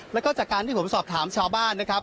แล้วก็จากการที่ผมสอบถามชาวบ้านนะครับ